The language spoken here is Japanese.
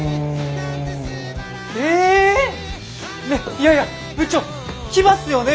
いやいや部長来ますよね？